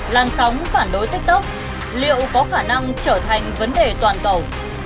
làn sóng phản đối tiktok liệu có khả năng trở thành vấn đề toàn cầu